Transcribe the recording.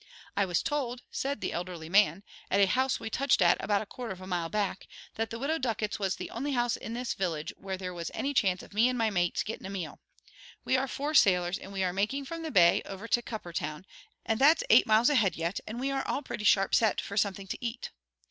"I was told," said the elderly man, "at a house we touched at about a quarter of a mile back, that the Widow Ducket's was the only house in this village where there was any chance of me and my mates getting a meal. We are four sailors, and we are making from the bay over to Cuppertown, and that's eight miles ahead yet, and we are all pretty sharp set for something to eat."